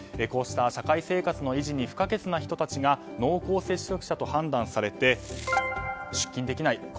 こうした社会生活の維持に不可欠な人たちが濃厚接触者と判断されて出勤できない。